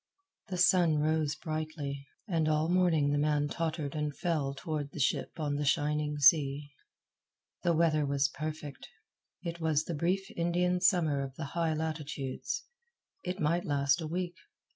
The sun rose brightly, and all morning the man tottered and fell toward the ship on the shining sea. The weather was perfect. It was the brief Indian Summer of the high latitudes. It might last a week.